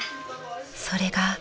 ［それが］